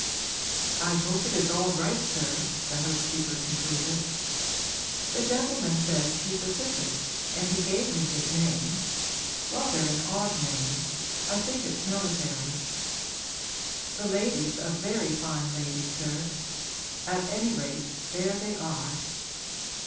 'I hope it is all right, sir,' the housekeeper concluded. 'The gentleman says he's a sitter and he gave me his name rather an odd name; I think it's military. The lady's a very fine lady, sir; at any rate there they are.'